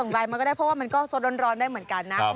ไลน์มาก็ได้เพราะว่ามันก็สดร้อนได้เหมือนกันนะ